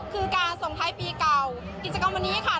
คือการส่งท้ายปีเก่ากิจกรรมวันนี้ค่ะ